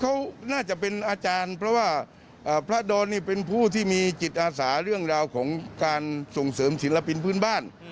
เขาน่าจะเป็นอาจารย์เพราะว่าพระดอนนี่เป็นผู้ที่มีจิตอาสาเรื่องราวของการส่งเสริมศิลปินพื้นบ้าน